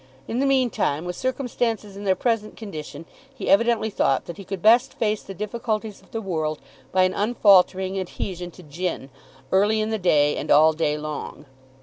In the meantime, with circumstances in their present condition, he evidently thought that he could best face the difficulties of the world by an unfaltering adhesion to gin, early in the day and all day long.